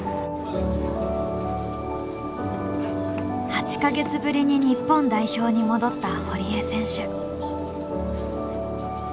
８か月ぶりに日本代表に戻った堀江選手。